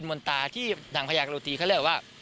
มนตราที่ที่นางพยาการุตีเค้าเรียกว่า